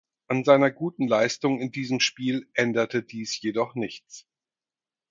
An seiner guten Leistung in diesem Spiel änderte dies jedoch nichts.